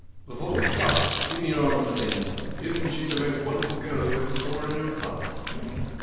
Before we start, give me your honest opinion. Isn't she the most wonderful girl you ever saw in your puff